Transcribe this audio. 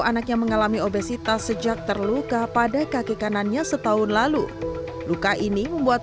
anaknya mengalami obesitas sejak terluka pada kaki kanannya setahun lalu luka ini membuat